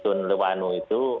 susun lewanu itu